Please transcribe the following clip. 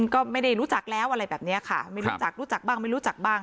ก็ไม่ได้รู้จักแล้วอะไรแบบนี้ค่ะไม่รู้จักรู้จักบ้างไม่รู้จักบ้าง